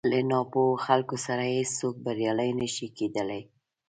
له ناپوهو خلکو سره هېڅ څوک بريالی نه شي کېدلی.